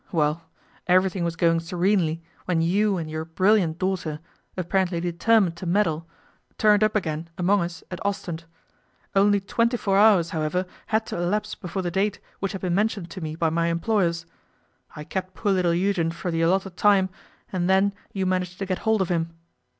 Well, everything was going serenely when you and your brilliant daughter, apparently determined to meddle, turned up again among us at Ostend. Only twenty four hours, however, had to elapse before the date which had been mentioned to me by my employers. I kept poor little Eugen for the allotted time, and then you managed to get hold of him.